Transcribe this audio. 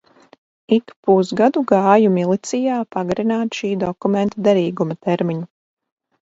Ik pusgadu gāju milicijā pagarināt šī dokumenta derīguma termiņu.